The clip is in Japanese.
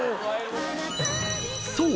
［そう！